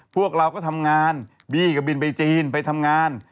พวกเราก็ทำงานบี้ก็บินไปจีนไปทำงาน